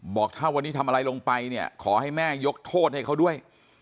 บอกถ้าวันนี้ทำอะไรลงไปเนี่ยขอให้แม่ยกโทษให้เขาด้วย